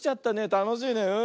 たのしいねうん。